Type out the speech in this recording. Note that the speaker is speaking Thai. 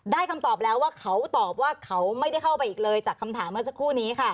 คำตอบแล้วว่าเขาตอบว่าเขาไม่ได้เข้าไปอีกเลยจากคำถามเมื่อสักครู่นี้ค่ะ